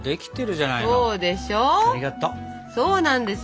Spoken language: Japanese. そうなんですよ。